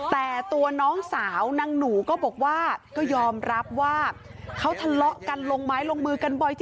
แต่ตัวน้องสาวนางหนูก็บอกว่าก็ยอมรับว่าเขาทะเลาะกันลงไม้ลงมือกันบ่อย